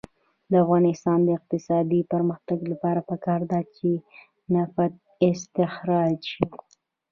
د افغانستان د اقتصادي پرمختګ لپاره پکار ده چې نفت استخراج شي.